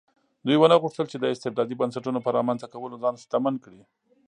دوی ونه غوښتل چې د استبدادي بنسټونو په رامنځته کولو ځان شتمن کړي.